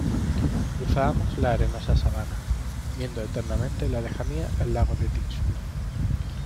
cruzábamos la arenosa sabana, viendo eternamente en la lejanía el lago del Tixul